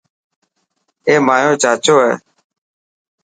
اي مايو چاچو هي.